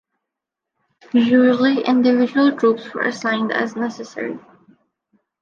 Usually individual troops were assigned as necessary.